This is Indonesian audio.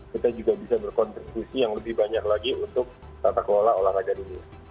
kita juga bisa berkontribusi yang lebih banyak lagi untuk tata kelola olahraga di dunia